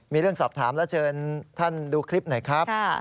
มีเรื่องสอบถามแล้วเชิญท่านดูคลิปหน่อยครับ